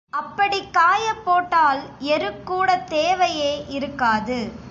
அப்படிக் காயப்போட்டால் எருக் கூடத் தேவையே இருக்காது.